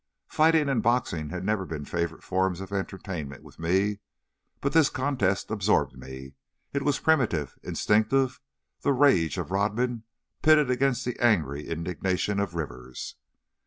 Fighting and boxing had never been favorite forms of entertainment with me, but this contest absorbed me. It was primitive, instinctive, the rage of Rodman pitted against the angry indignation of Rivers.